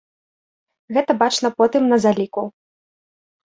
Гэта бачна потым на заліку.